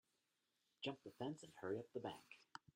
Jump the fence and hurry up the bank.